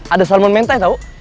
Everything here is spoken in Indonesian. ada salmon mentah tau